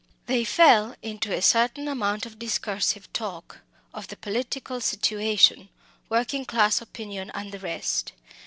They fell into a certain amount of discursive talk of the political situation, working class opinion, and the rest.